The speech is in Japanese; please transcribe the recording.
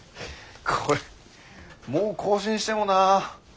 これもう更新してもなあ。